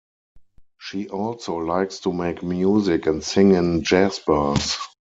She also likes to make music and sing in jazz bars.